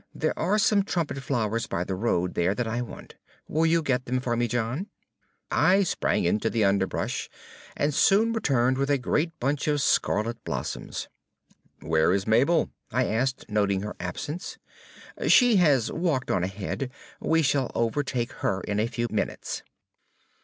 There are some trumpet flowers by the road there that I want. Will you get them for me, John?" I sprang into the underbrush, and soon returned with a great bunch of scarlet blossoms. "Where is Mabel?" I asked, noting her absence. "She has walked on ahead. We shall overtake her in a few minutes."